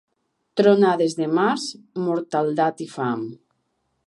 Tronades de març, mortaldat i fam.